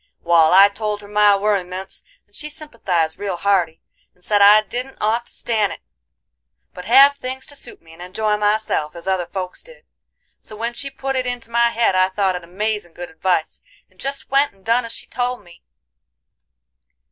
Wal, I told her my werryments and she sympathized real hearty, and said I didn't ought to stan' it, but have things to suit me, and enjoy myself, as other folks did. So when she put it into my head I thought it amazin' good advice, and jest went and done as she told me.